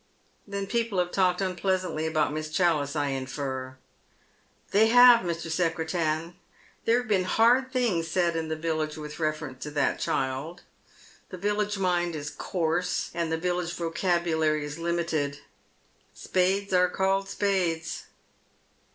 " Then people have talked unpleasantly about Miss Challice, I infer." " They have, Mr. Secretan. There have been hard things said in the village with reference to that child. The village mind is coarse, and the village vocabulary is limited. Spades are called spades."